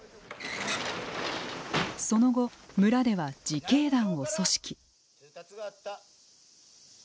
その後、村では自警団を組織。